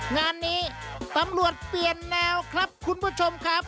งานนี้ตำรวจเปลี่ยนแนวครับคุณผู้ชมครับ